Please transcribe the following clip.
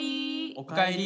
おかえり。